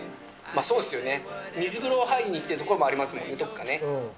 そうですよね、水風呂入りに来てるところもありますよね、どこかね。